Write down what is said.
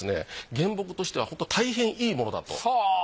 原木としてはたいへんいいものだと。